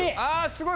すごい！